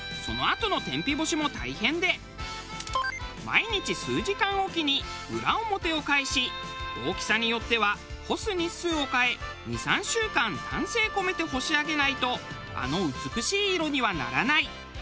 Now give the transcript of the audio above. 毎日数時間おきに裏表を返し大きさによっては干す日数を変え２３週間丹精込めて干し上げないとあの美しい色にはならない。